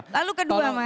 lalu kedua mas